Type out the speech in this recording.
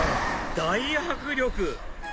大迫力！